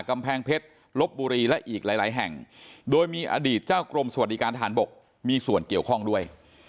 กำแพงเพชรลบบุรีและอีกหลายแห่งโดยมีอดีตเจ้ากรมสวัสดิการทหารบกมีส่วนเกี่ยวข้องด้วย